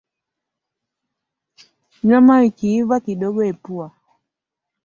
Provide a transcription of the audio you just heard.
Nyama ikiiva kidogo epua